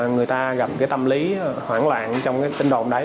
người ta gặp cái tâm lý hoảng loạn trong cái tin đồn đấy